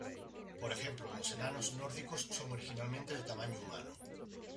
Por ejemplo, los enanos nórdicos son originalmente de tamaño humano.